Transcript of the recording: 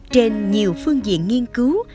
trên nhiều phương diện nghiên cứu